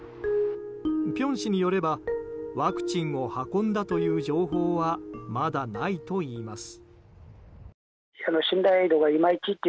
辺氏によればワクチンを運んだという情報はまだないといいます。